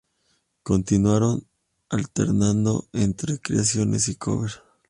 Continuaron alternando entre creaciones y covers.